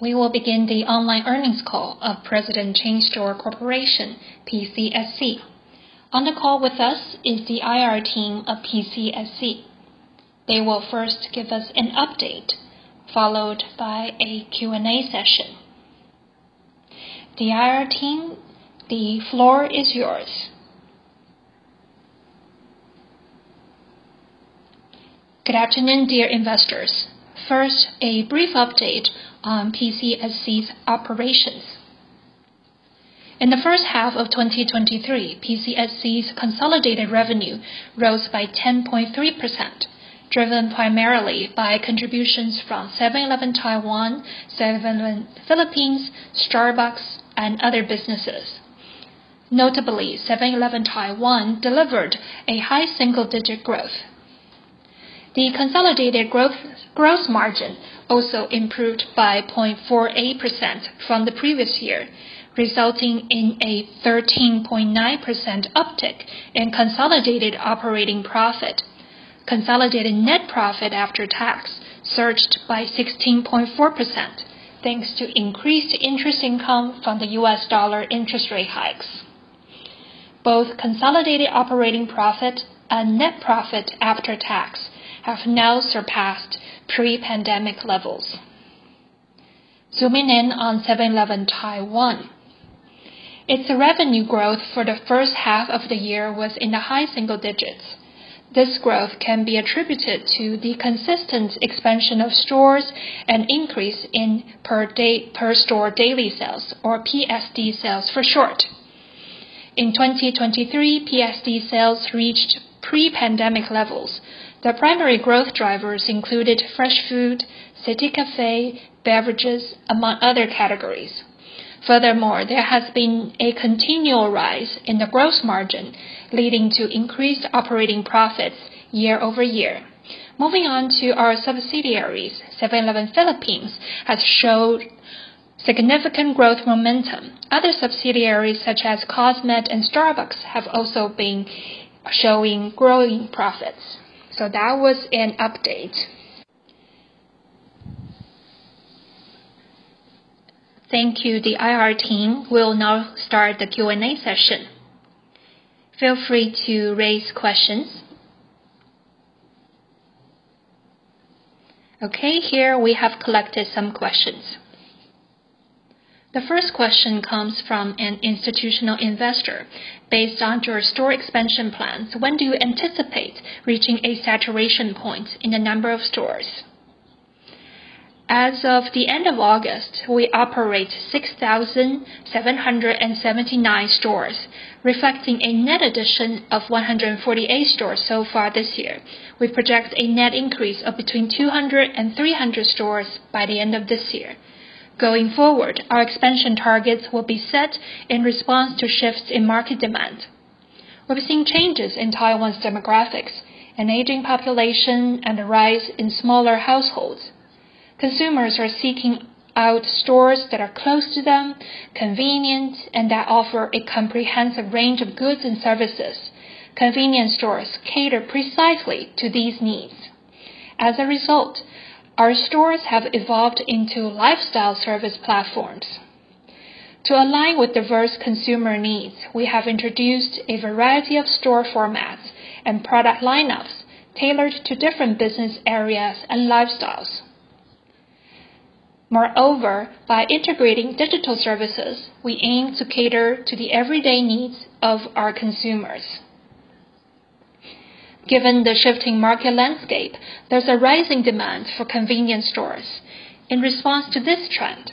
We will begin the online earnings call of President Chain Store Corporation, PCSC. On the call with us is the IR team of PCSC. They will first give us an update, followed by a Q&A session. The IR team, the floor is yours. Good afternoon, dear investors. First, a brief update on PCSC's operations. In the first half of 2023, PCSC's consolidated revenue rose by 10.3%, driven primarily by contributions from 7-Eleven Taiwan, 7-Eleven Philippines, Starbucks, and other businesses. Notably, 7-Eleven Taiwan delivered a high single-digit growth. The consolidated gross margin also improved by 0.48% from the previous year, resulting in a 13.9% uptick in consolidated operating profit. Consolidated net profit after tax surged by 16.4%, thanks to increased interest income from the US dollar interest rate hikes. Both consolidated operating profit and net profit after tax have now surpassed pre-pandemic levels. Zooming in on 7-Eleven Taiwan, its revenue growth for the first half of the year was in the high single digits. This growth can be attributed to the consistent expansion of stores and increase in per store daily sales, or PSD sales for short. In 2023, PSD sales reached pre-pandemic levels. The primary growth drivers included fresh food, CITY CAFE, beverages, among other categories. Furthermore, there has been a continual rise in the gross margin, leading to increased operating profits year-over-year. Moving on to our subsidiaries, 7-Eleven Philippines has showed significant growth momentum. Other subsidiaries such as COSMED and Starbucks have also been showing growing profits. That was an update. Thank you. The IR team will now start the Q&A session. Feel free to raise questions. Okay, here we have collected some questions. The first question comes from an institutional investor. Based on your store expansion plans, when do you anticipate reaching a saturation point in the number of stores? As of the end of August, we operate 6,779 stores, reflecting a net addition of 148 stores so far this year. We project a net increase of between 200 and 300 stores by the end of this year. Going forward, our expansion targets will be set in response to shifts in market demand. We're seeing changes in Taiwan's demographics, an aging population, and a rise in smaller households. Consumers are seeking out stores that are close to them, convenient, and that offer a comprehensive range of goods and services. Convenience stores cater precisely to these needs. As a result, our stores have evolved into lifestyle service platforms. To align with diverse consumer needs, we have introduced a variety of store formats and product lineups tailored to different business areas and lifestyles. By integrating digital services, we aim to cater to the everyday needs of our consumers. Given the shifting market landscape, there's a rising demand for convenience stores. In response to this trend,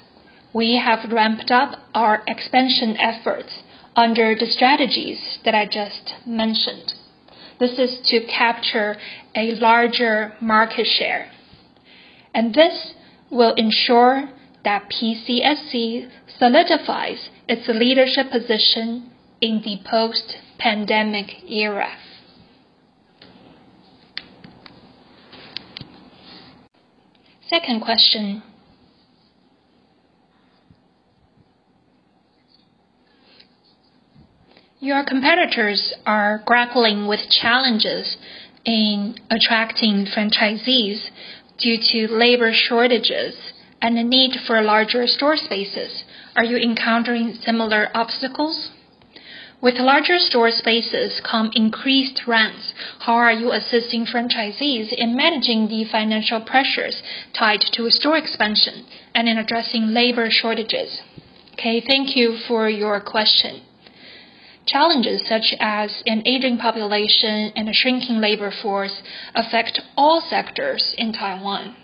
we have ramped up our expansion efforts under the strategies that I just mentioned. This is to capture a larger market share. This will ensure that PCSC solidifies its leadership position in the post-pandemic era. Second question. Your competitors are grappling with challenges in attracting franchisees due to labor shortages and the need for larger store spaces. Are you encountering similar obstacles? With larger store spaces come increased rents. How are you assisting franchisees in managing the financial pressures tied to a store expansion and in addressing labor shortages? Thank you for your question. Challenges such as an aging population and a shrinking labor force affect all sectors in Taiwan.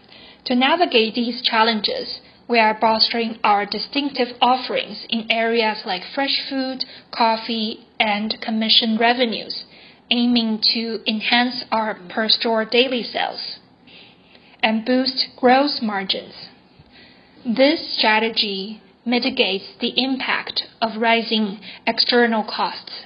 To navigate these challenges, we are bolstering our distinctive offerings in areas like fresh food, coffee, and commission revenues, aiming to enhance our per store daily sales and boost gross margins. This strategy mitigates the impact of rising external costs.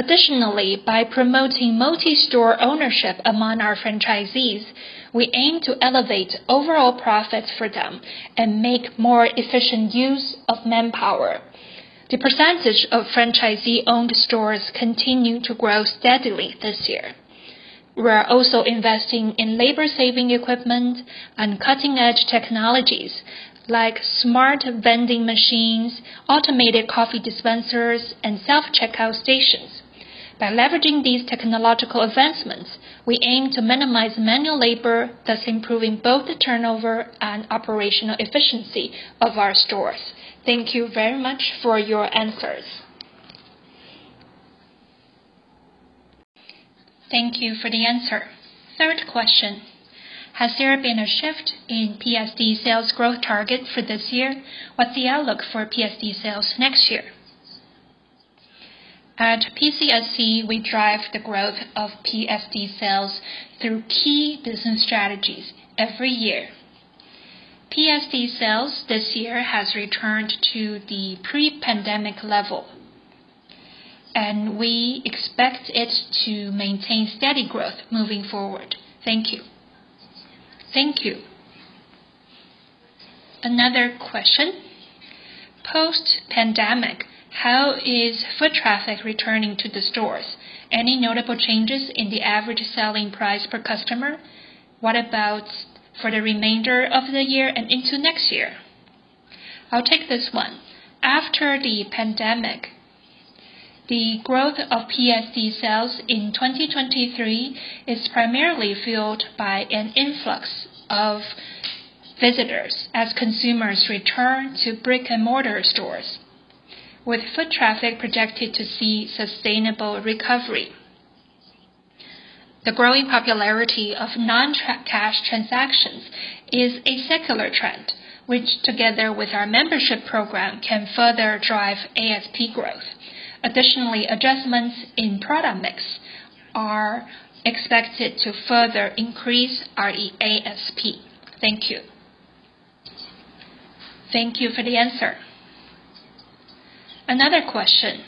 Additionally, by promoting multi-store ownership among our franchisees, we aim to elevate overall profits for them and make more efficient use of manpower. The percentage of franchisee-owned stores continue to grow steadily this year. We are also investing in labor-saving equipment and cutting-edge technologies like smart vending machines, automated coffee dispensers, and self-checkout stations. By leveraging these technological advancements, we aim to minimize manual labor, thus improving both the turnover and operational efficiency of our stores. Thank you very much for your answers. Thank you for the answer. Third question: Has there been a shift in PSD sales growth target for this year? What's the outlook for PSD sales next year? At PCSC, we drive the growth of PSD sales through key business strategies every year. PSD sales this year has returned to the pre-pandemic level, and we expect it to maintain steady growth moving forward. Thank you. Thank you. Another question. Post-pandemic, how is foot traffic returning to the stores? Any notable changes in the average selling price per customer? What about for the remainder of the year and into next year? I'll take this one. After the pandemic, the growth of PSD sales in 2023 is primarily fueled by an influx of visitors as consumers return to brick-and-mortar stores, with foot traffic projected to see sustainable recovery. The growing popularity of non-cash transactions is a secular trend, which, together with our membership program, can further drive ASP growth. Additionally, adjustments in product mix are expected to further increase our ASP. Thank you. Thank you for the answer. Another question.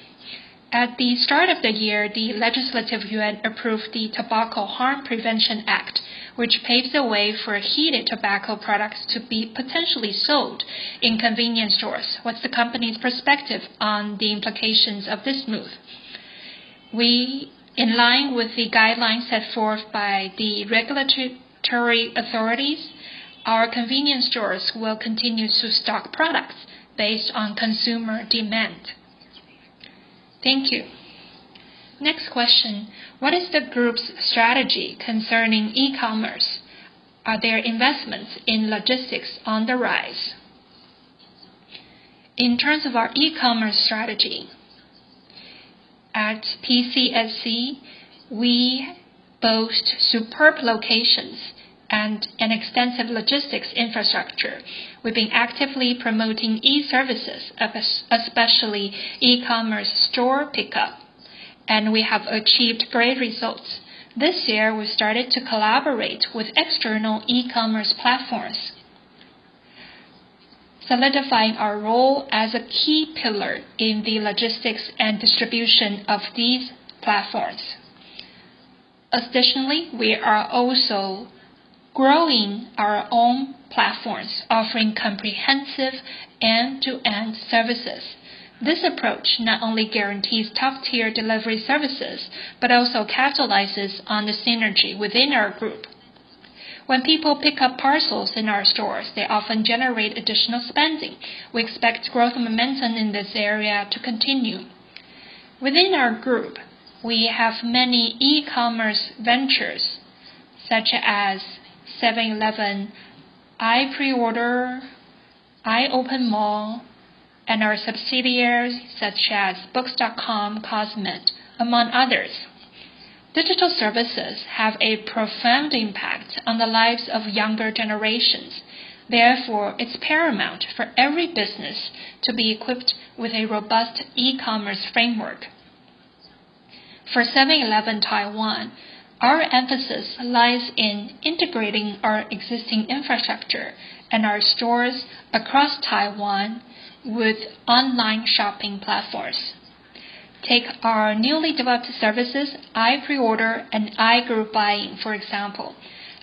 At the start of the year, the Legislative Yuan approved the Tobacco Harm Prevention Act, which paves the way for heated tobacco products to be potentially sold in convenience stores. What is the company's perspective on the implications of this move? In line with the guidelines set forth by the regulatory authorities, our convenience stores will continue to stock products based on consumer demand. Thank you. Next question. What is the group's strategy concerning e-commerce? Are there investments in logistics on the rise? In terms of our e-commerce strategy, at PCSC, we boast superb locations and an extensive logistics infrastructure. We've been actively promoting e-services, especially e-commerce store pickup. We have achieved great results. This year, we started to collaborate with external e-commerce platforms, solidifying our role as a key pillar in the logistics and distribution of these platforms. Additionally, we are also growing our own platforms, offering comprehensive end-to-end services. This approach not only guarantees top-tier delivery services but also capitalizes on the synergy within our group. When people pick up parcels in our stores, they often generate additional spending. We expect growth momentum in this area to continue. Within our group, we have many e-commerce ventures, such as 7-Eleven, iPreorder, iOPEN Mall, and our subsidiaries such as books.com.tw, COSMED, among others. Digital services have a profound impact on the lives of younger generations. Therefore, it's paramount for every business to be equipped with a robust e-commerce framework. For 7-Eleven Taiwan, our emphasis lies in integrating our existing infrastructure and our stores across Taiwan with online shopping platforms. Take our newly developed services, iPreorder and iGroup-buying, for example.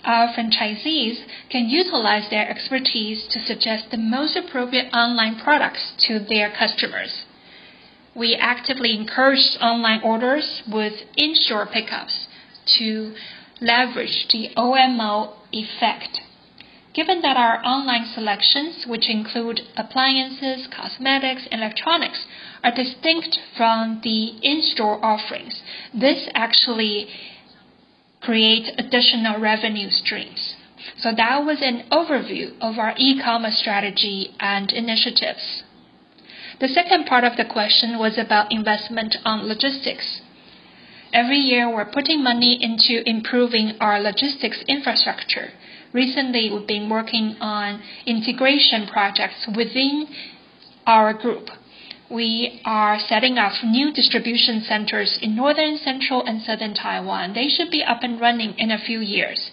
Our franchisees can utilize their expertise to suggest the most appropriate online products to their customers. We actively encourage online orders with in-store pickups to leverage the OMO effect. Given that our online selections, which include appliances, cosmetics, electronics, are distinct from the in-store offerings, this actually creates additional revenue streams. That was an overview of our e-commerce strategy and initiatives. The second part of the question was about investment on logistics. Every year, we're putting money into improving our logistics infrastructure. Recently, we've been working on integration projects within our group. We are setting up new distribution centers in Northern, Central, and Southern Taiwan. They should be up and running in a few years.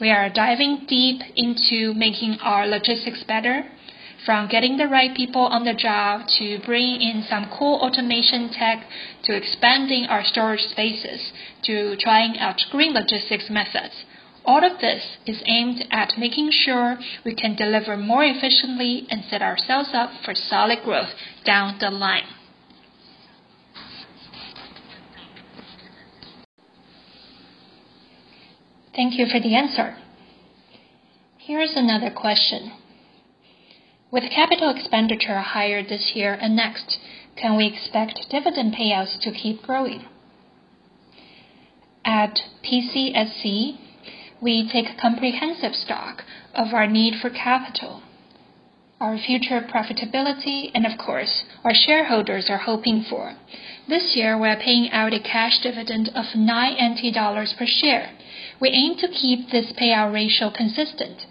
We are diving deep into making our logistics better, from getting the right people on the job to bring in some cool automation tech, to expanding our storage spaces, to trying out green logistics methods. All of this is aimed at making sure we can deliver more efficiently and set ourselves up for solid growth down the line. Thank you for the answer. Here is another question. With capital expenditure higher this year and next, can we expect dividend payouts to keep growing? At PCSC, we take comprehensive stock of our need for capital, our future profitability, and of course, our shareholders are hoping for. This year, we are paying out a cash dividend of 9 dollars per share. We aim to keep this payout ratio consistent.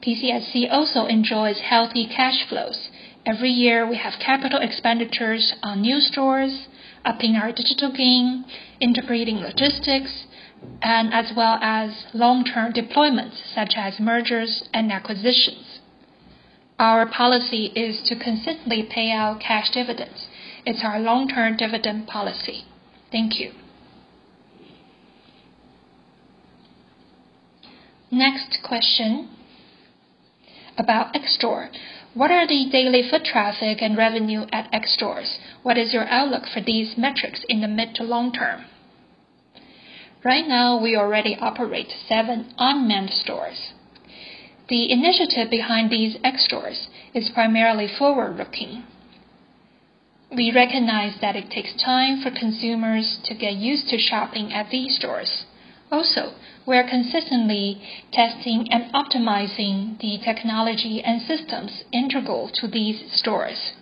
PCSC also enjoys healthy cash flows. Every year, we have capital expenditures on new stores, upping our digital game, integrating logistics, and as well as long-term deployments, such as mergers and acquisitions. Our policy is to consistently pay out cash dividends. It's our long-term dividend policy. Thank you. Next question, about X-STORE. What are the daily foot traffic and revenue at X-STORE Stores? What is your outlook for these metrics in the mid to long term? Right now, we already operate seven unmanned stores. The initiative behind these X-STORE Stores is primarily forward-looking. We recognize that it takes time for consumers to get used to shopping at these stores. We are consistently testing and optimizing the technology and systems integral to these stores.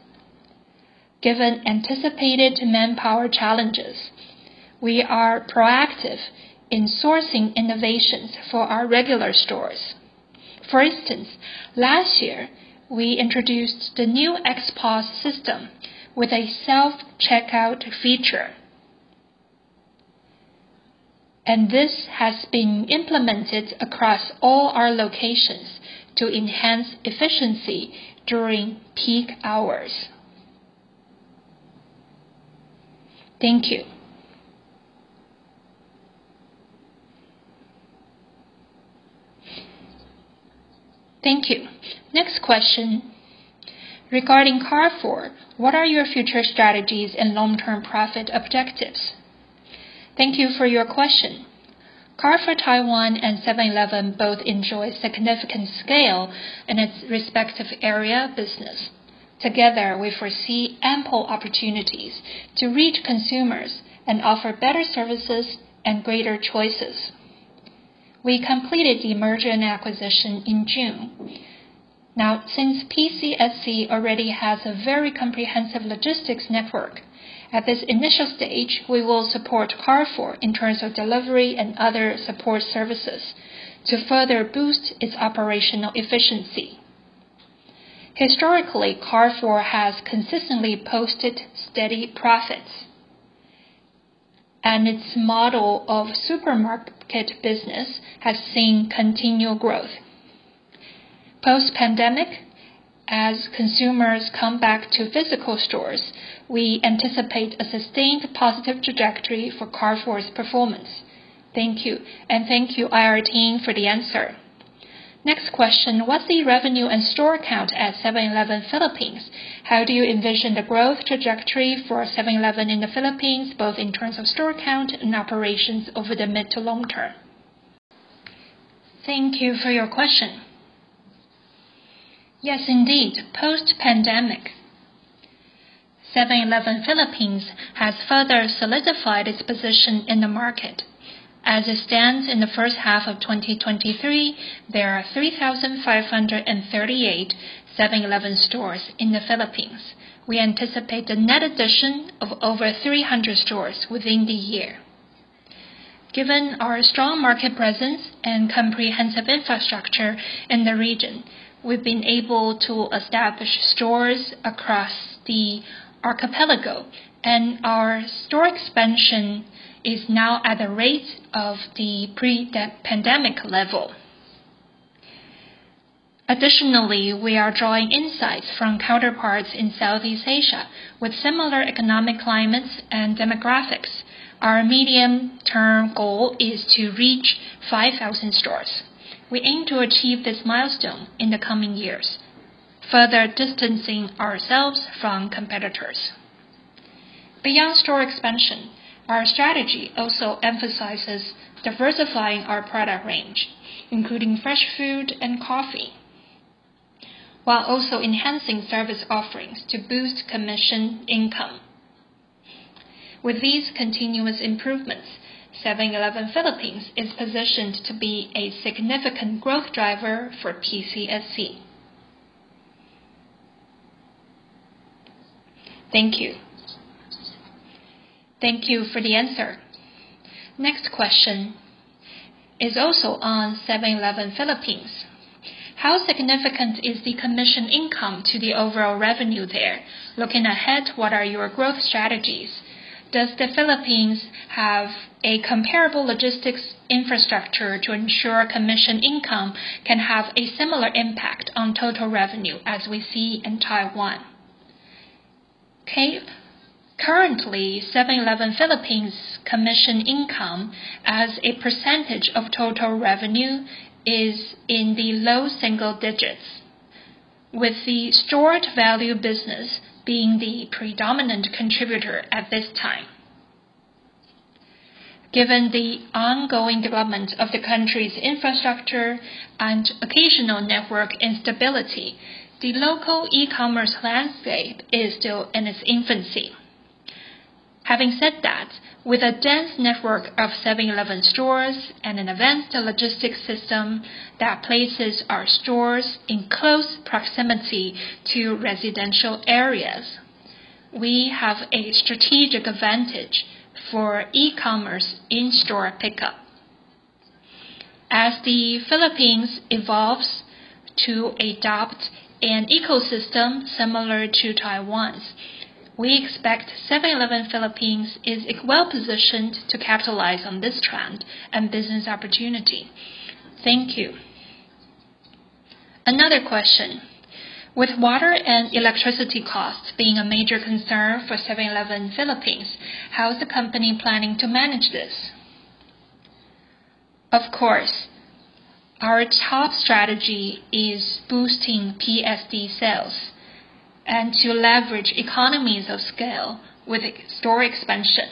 Given anticipated manpower challenges, we are proactive in sourcing innovations for our regular stores. For instance, last year, we introduced the new XPOS system with a self-checkout feature. This has been implemented across all our locations to enhance efficiency during peak hours. Thank you. Next question, regarding Carrefour, what are your future strategies and long-term profit objectives? Thank you for your question. Carrefour Taiwan and 7-Eleven both enjoy significant scale in its respective area of business. Together, we foresee ample opportunities to reach consumers and offer better services and greater choices. We completed the merger and acquisition in June. Since PCSC already has a very comprehensive logistics network, at this initial stage, we will support Carrefour in terms of delivery and other support services to further boost its operational efficiency. Historically, Carrefour has consistently posted steady profits, and its model of supermarket business has seen continual growth. Post-pandemic, as consumers come back to physical stores, we anticipate a sustained positive trajectory for Carrefour's performance. Thank you, and thank you, IR team, for the answer. Next question, what's the revenue and store count at 7-Eleven Philippines? How do you envision the growth trajectory for 7-Eleven in the Philippines, both in terms of store count and operations over the mid to long term? Thank you for your question. Yes, indeed. Post-pandemic, 7-Eleven Philippines has further solidified its position in the market. As it stands in the first half of 2023, there are 3,538 7-Eleven stores in the Philippines. We anticipate a net addition of over 300 stores within the year. Given our strong market presence and comprehensive infrastructure in the region, we've been able to establish stores across the archipelago, and our store expansion is now at the rate of the pre-pandemic level. Additionally, we are drawing insights from counterparts in Southeast Asia with similar economic climates and demographics. Our medium-term goal is to reach 5,000 stores. We aim to achieve this milestone in the coming years, further distancing ourselves from competitors. Beyond store expansion, our strategy also emphasizes diversifying our product range, including fresh food and coffee, while also enhancing service offerings to boost commission income. With these continuous improvements, 7-Eleven Philippines is positioned to be a significant growth driver for PCSC. Thank you. Thank you for the answer. Next question is also on 7-Eleven Philippines. How significant is the commission income to the overall revenue there? Looking ahead, what are your growth strategies? Does the Philippines have a comparable logistics infrastructure to ensure commission income can have a similar impact on total revenue as we see in Taiwan? Okay. Currently, 7-Eleven Philippines' commission income as a percentage of total revenue is in the low single digits. With the stored value business being the predominant contributor at this time. Given the ongoing development of the country's infrastructure and occasional network instability, the local e-commerce landscape is still in its infancy. Having said that, with a dense network of 7-Eleven stores and an advanced logistics system that places our stores in close proximity to residential areas, we have a strategic advantage for e-commerce in-store pickup. As the Philippines evolves to adopt an ecosystem similar to Taiwan's, we expect 7-Eleven Philippines is well-positioned to capitalize on this trend and business opportunity. Thank you. Another question. With water and electricity costs being a major concern for 7-Eleven Philippines, how is the company planning to manage this? Of course, our top strategy is boosting PSD sales and to leverage economies of scale with store expansion.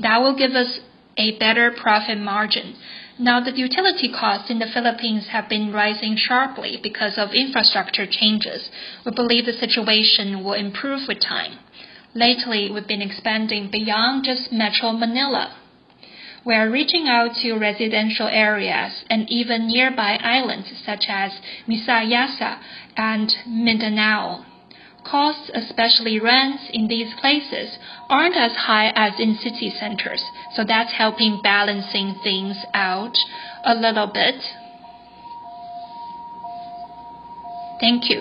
That will give us a better profit margin. Now, the utility costs in the Philippines have been rising sharply because of infrastructure changes. We believe the situation will improve with time. Lately, we've been expanding beyond just Metro Manila. We are reaching out to residential areas and even nearby islands such as Visayas and Mindanao. Costs, especially rents in these places, aren't as high as in city centers, so that's helping balancing things out a little bit. Thank you.